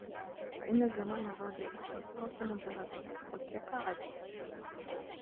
فَإِنَّ الزَّمَانَ غَادِرٌ وَالْفُرَصُ مُنْتَهَزَةٌ وَالثِّقَةُ عَجْزٌ